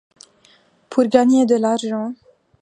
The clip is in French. Pour gagner de l’argent.